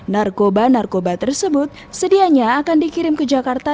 narkoba narkoba tersebut sedianya akan dikirim ke jakarta